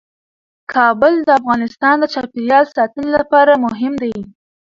کابل د افغانستان د چاپیریال ساتنې لپاره مهم دي.